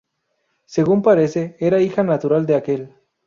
Según parece, era hija natural de aquel.